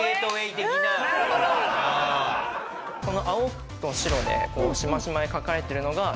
この青と白でしましまに描かれてるのが新幹線。